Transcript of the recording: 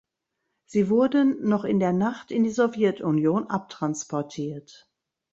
Sie wurden noch in der Nacht in die Sowjetunion abtransportiert.